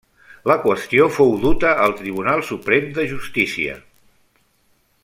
La qüestió fou duta ai Tribunal Suprem de Justícia.